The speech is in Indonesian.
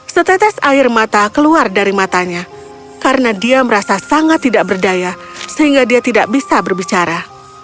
setetes air mata keluar dari matanya karena dia merasa sangat tidak berdaya sehingga dia tidak bisa berbicara